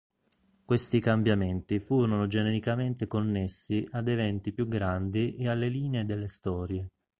Questi cambiamenti furono genericamente connessi ad eventi più grandi e alle linee delle storie.